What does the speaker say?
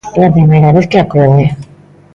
É a primeira vez que acode.